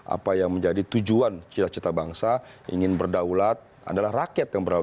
apa yang menjadi tujuan cita cita bangsa ingin berdaulat adalah rakyat yang berdaulat